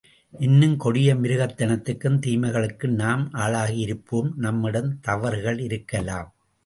இன்னும் கொடிய மிருகத்தனத்துக்கும் தீமைகளுக்கும் நாம் ஆளாகி இருப்போம். நம்மிடம் தவறுக்கள் இருக்கலாம்.